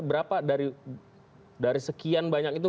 berapa dari sekian banyak itu